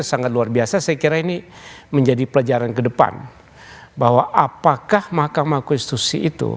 sangat luar biasa saya kira ini menjadi pelajaran kedepan bahwa hal ini adalah hal yang harus diperlukan dan hal ini adalah hal yang harus diperlukan dalam hidup kita